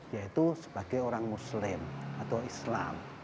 yaitu sebagai orang muslim atau islam